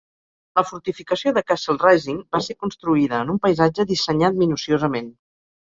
La fortificació de Castle Rising va ser construïda en un paisatge dissenyat minuciosament.